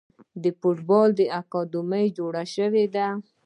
د فوټبال اکاډمۍ جوړې شوي دي.